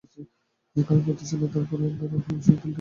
কারণ গতিশীলতার করণে ধরা বল সহ ফিল্ডার দড়ির বাইরে চলে যেতে পারেন।